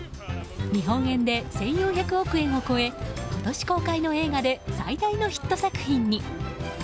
日本円で１４００億円を超え今年公開の映画で最大のヒット作品に。